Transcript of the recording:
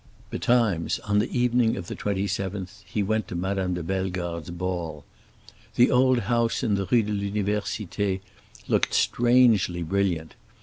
Betimes, on the evening of the 27th, he went to Madame de Bellegarde's ball. The old house in the Rue de l'Université looked strangely brilliant.